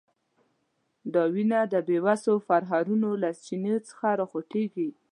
دا وینه د بیوسو پرهرونو له چینو څخه راخوټېږي.